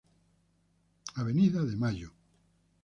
Avenida de Mayo